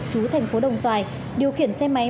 trú tp đồng xoài điều khiển xe máy